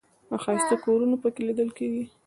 ښایسته کورونه په کې لیدل کېږي.